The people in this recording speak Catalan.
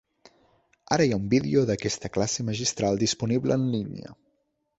Ara hi ha un vídeo d'aquesta classe magistral disponible en línia.